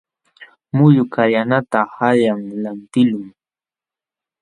Muyu kallanata qanyan lantiqlun.